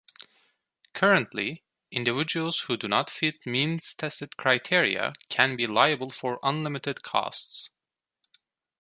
Currently, individuals who do not fit means-tested criteria can be liable for unlimited costs.